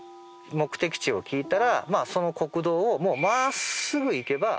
目的地を聞いたらその国道を真っすぐ行けば着く場所。